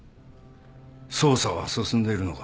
捜査は進んでるのか？